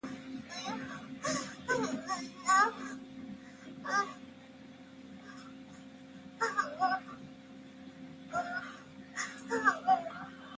您好，请问要吃点什么？